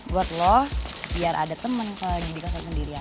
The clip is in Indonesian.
buat lo biar ada temen kalau lagi di kosan sendirian